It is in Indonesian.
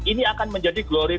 ini akan menjadi kematian